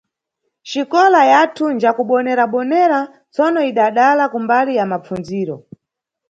Xikola yathu njakubonerabonera tsono idadala kumbali ya mapfundziro.